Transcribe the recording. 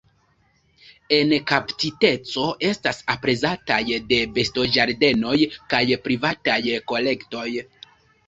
En kaptiteco estas aprezataj de bestoĝardenoj kaj privataj kolektoj.